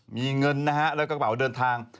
มีเงินนะฮะแล้วก็กระเป๋าเดินทาง